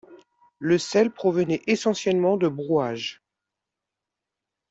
Le sel provenait essentiellement de Brouage.